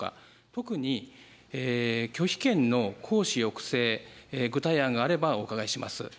特に拒否権の行使抑制、具体案があればお伺いします。